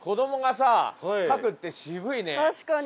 確かに。